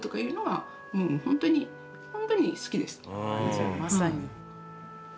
じゃあまさに。